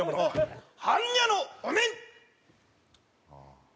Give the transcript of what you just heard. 般若のお面！